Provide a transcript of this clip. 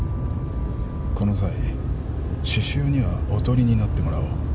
この際獅子雄にはおとりになってもらおう。